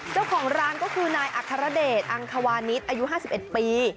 เจ้าของร้านก็คือนายอัครเดชอังควานิสอายุ๕๑ปี